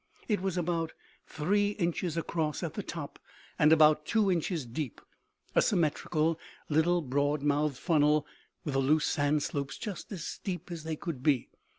It was about three inches across at the top and about two inches deep; a symmetrical little broad mouthed funnel with the loose sand slopes just as steep as they could be.